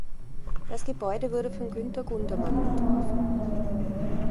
Das Gebäude wurde von Günther Gundermann entworfen.